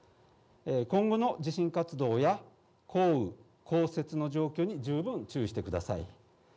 今後の地震活動や降雨、降雪の状況に十分注意してください。